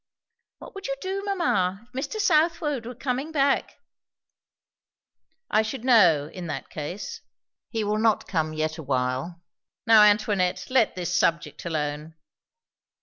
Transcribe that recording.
"What would you do, mamma, if Mr. Southwode were coming back?" "I should know, in that case. He will not come yet a while. Now Antoinette, let this subject alone."